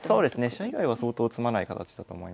飛車以外は相当詰まない形だと思います。